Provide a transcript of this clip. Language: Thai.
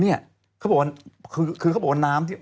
เนี่ยเขาบอกว่าคือเขาบอกว่าน้ำที่